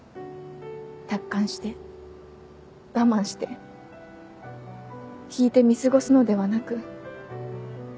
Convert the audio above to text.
達観して我慢して引いて見過ごすのではなく。